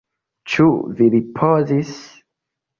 Ĉu vi ripozis?